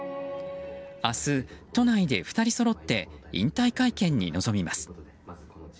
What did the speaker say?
明日、都内で２人そろって引退会見に臨みます。